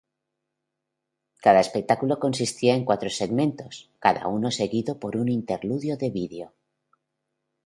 Cada espectáculo consistía de cuatro segmentos, cada uno seguido por un interludio de vídeo.